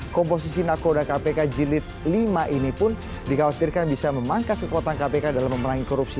komposisi nakoda kpk jilid lima ini pun dikhawatirkan bisa memangkas kekuatan kpk dalam memerangi korupsi